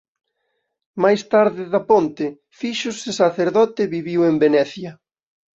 Máis tarde da Ponte fíxose sacerdote e viviu en Venecia.